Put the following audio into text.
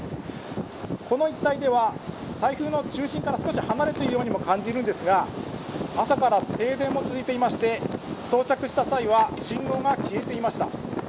この一帯では、台風の中心から少し離れているようにも感じるんですが朝から停電も続いていて到着した際は信号が消えていました。